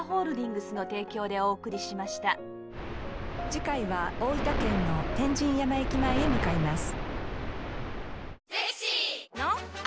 次回は大分県の天神山駅前へ向かいます。